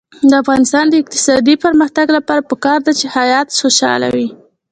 د افغانستان د اقتصادي پرمختګ لپاره پکار ده چې خیاط خوشحاله وي.